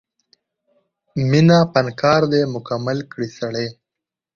مینه فنکار دی مکمل کړي سړی